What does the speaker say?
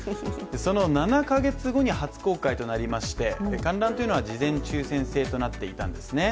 その７か月後に初公開となりまして観覧は事前抽選制となっていたんですね。